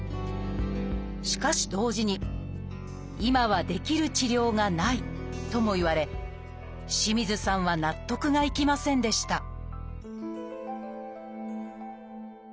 しかし同時に「今はできる治療がない」とも言われ清水さんは納得がいきませんでした